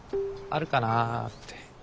あるかなって。